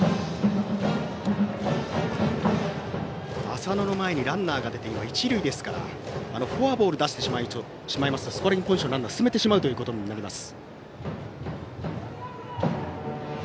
浅野の前にランナーが出て一塁ですから、フォアボールを出してしまいますとスコアリングポジションのランナーを進めてしまうことになります。